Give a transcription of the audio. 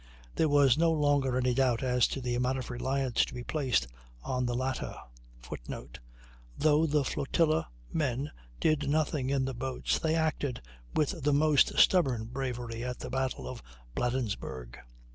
There was no longer any doubt as to the amount of reliance to be placed on the latter. [Footnote: Though the flotilla men did nothing in the boats, they acted with the most stubborn bravery at the battle of Bladensburg.